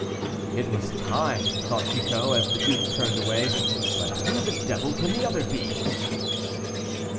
"It was time," thought Chicot, as the duke turned away, "but who the devil can the other be?"